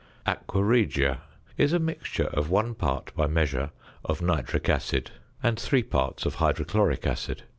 ~"Aqua Regia"~ is a mixture of 1 part by measure of nitric acid and 3 parts of hydrochloric acid.